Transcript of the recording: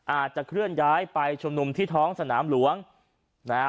อาจจะเคลื่อนย้ายไปชุมนุมที่ท้องสนามหลวงนะฮะ